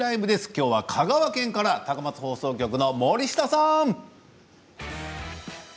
きょうは香川県から高松放送局の森下さん。